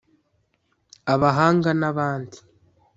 abahanga n’abandi